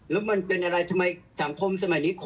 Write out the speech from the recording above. แล้วมันเป็นอะไรทำไมสังคมสมัยนี้